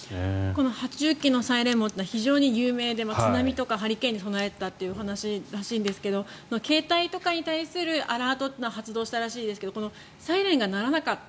この８０基のサイレンというのは有名で津波とかハリケーンに備えたということですが携帯とかに対するアラートというのは発動したらしいですがサイレンが鳴らなかった。